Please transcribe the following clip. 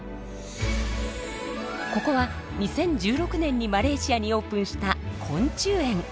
ここは２０１６年にマレーシアにオープンした昆虫園。